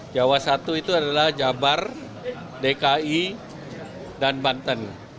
jawa i adalah jabar dki dan banten